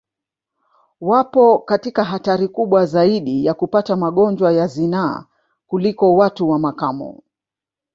Wapo katika hatari kubwa zaidi ya kupata magonjwa ya zinaa kuliko watu wa makamo